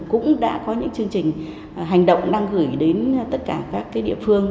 cũng đã có những chương trình hành động đang gửi đến tất cả các địa phương